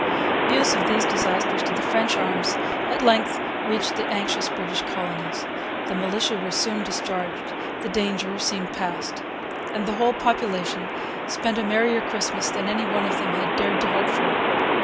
News of these disasters to the French arms at length reached the anxious British colonies. The militia were soon discharged. The danger seemed past. And the whole population spent a merrier Christmas than any one of them had dared to hope for.